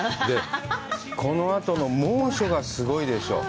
このあとの猛暑がすごいでしょう？